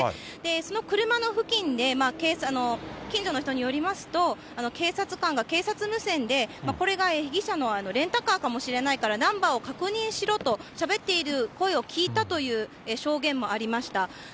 その車の付近で、近所の人によりますと、警察官が警察無線で、これが被疑者のレンタカーかもしれないから、ナンバーを確認しろとしゃべっている声を聞いたという証言もありました。